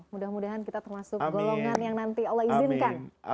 mudah mudahan kita termasuk golongan yang nanti allah izinkan